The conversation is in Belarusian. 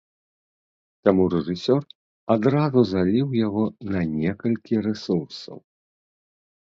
Таму рэжысёр адразу заліў яго на некалькі рэсурсаў.